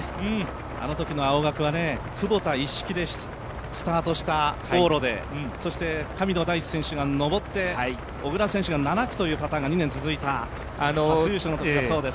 あのときの青学は久保田でスタートした往路でそして神野大地選手が上って、小椋選手が長くという選手が続いた初優勝だったそうです。